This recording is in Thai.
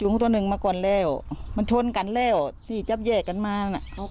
ตัวหนึ่งมาก่อนแล้วมันชนกันแล้วที่จับแยกกันมาน่ะ